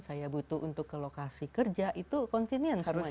saya butuh untuk ke lokasi kerja itu continience semuanya